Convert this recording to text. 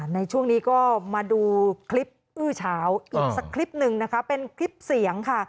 ในช่วงนี้ก็มาดูคลิปอื้อเฉาอีกสักคลิปหนึ่งนะคะเป็นคลิปเสียงค่ะ